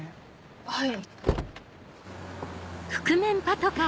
はい。